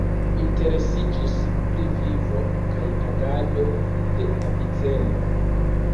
Interesiĝis pri vivo kaj agado de Aviceno.